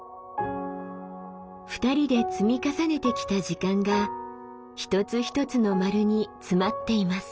２人で積み重ねてきた時間が一つ一つの丸に詰まっています。